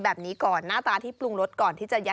แต่ว่าก่อนอื่นเราต้องปรุงรสให้เสร็จเรียบร้อย